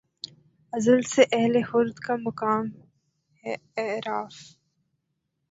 ازل سے اہل خرد کا مقام ہے اعراف